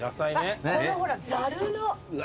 このほらざるの。